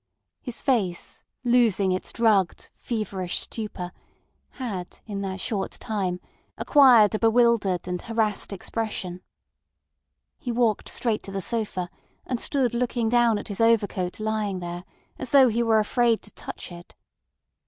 His face, losing its drugged, feverish stupor, had in that short time acquired a bewildered and harassed expression. He walked straight to the sofa, and stood looking down at his overcoat lying there, as though he were afraid to touch it.